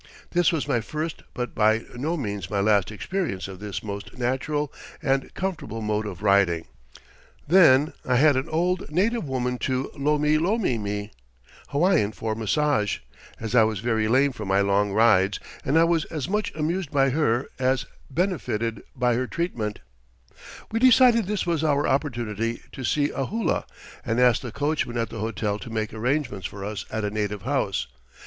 This was my first but by no means my last experience of this most natural and comfortable mode of riding. Then I had an old native woman to lomi lomi me Hawaiian for massage as I was very lame from my long rides, and I was as much amused by her as benefited by her treatment. [Illustration: FIRE HOLE, KILAUEA.] We decided this was our opportunity to see a hula, and asked the coachman at the hotel to make arrangements for us at a native house.